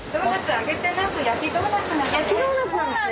焼きドーナツなんですね。